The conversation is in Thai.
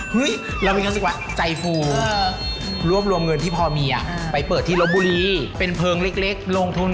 เฮ้ยก็เริ่มยิ้มแล้ว